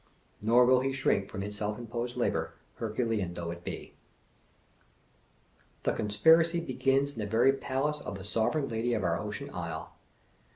Nor will he shrink from his self imposed labor, Herculean though it be. The conspiracy begins in the very Palace of the Sovereign Lady of our Ocean Isle.